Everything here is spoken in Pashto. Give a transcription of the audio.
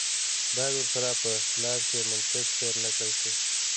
باید ورسره په اختلاف کې منطق هېر نه کړای شي.